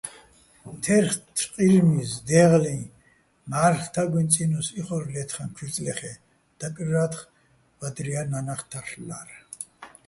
თეთრყირმიზ, დეღლიჼ, მჵა́რლ' თაგუჲნი̆ წინუს იხორ ლე́თხაჼ ქუჲრწლეხ-ე́, დაკლივრა́თხ, ბადრია́ ნა́ნახ თარლ'ლა́რ.